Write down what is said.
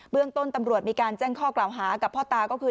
เรื่องต้นตำรวจมีการแจ้งข้อกล่าวหากับพ่อตาก็คือ